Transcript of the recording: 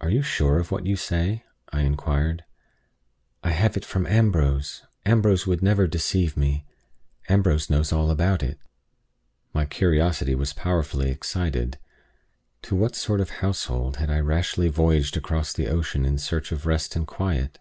"Are you sure of what you say?" I inquired. "I have it from Ambrose. Ambrose would never deceive me. Ambrose knows all about it." My curiosity was powerfully excited. To what sort of household had I rashly voyaged across the ocean in search of rest and quiet?